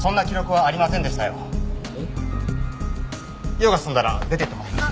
用が済んだら出てってもらえます？